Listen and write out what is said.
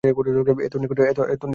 এত নিকটে, তবু এত দূরে!